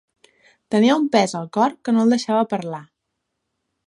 Tenia un pes al cor que no el deixava parlar.